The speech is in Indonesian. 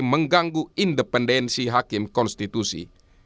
mengganggu independensi hakim konstitusi